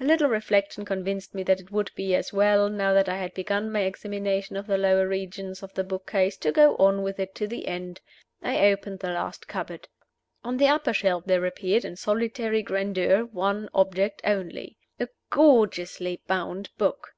A little reflection convinced me that it would be as well, now that I had begun my examination of the lower regions of the book case, to go on with it to the end. I opened the last cupboard. On the upper shelf there appeared, in solitary grandeur, one object only a gorgeously bound book.